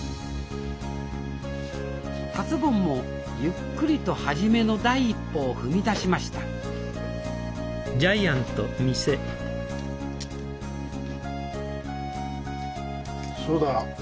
達ぼんもゆっくりと初めの第一歩を踏み出しましたそうだ。